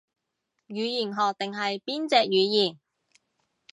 語言學定係邊隻語言